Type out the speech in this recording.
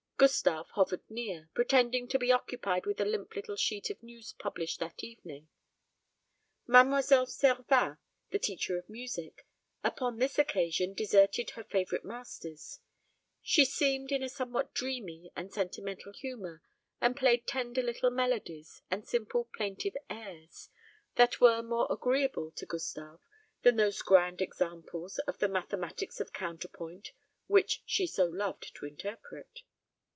Gustave hovered near, pretending to be occupied with a limp little sheet of news published that evening. Mademoiselle Servin, the teacher of music, upon this occasion deserted her favourite masters. She seemed in a somewhat dreamy and sentimental humour, and played tender little melodies and simple plaintive airs, that were more agreeable to Gustave than those grand examples of the mathematics of counter point which she so loved to interpret.